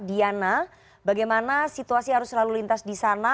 diana bagaimana situasi harus lalu lintas di sana